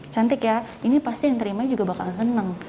cantik ya ini pasti yang terima juga bakal senang